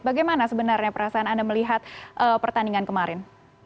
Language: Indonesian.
bagaimana sebenarnya perasaan anda melihat pertandingan kemarin